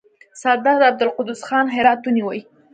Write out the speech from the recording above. سردار عبدالقدوس خان هرات ونیوی.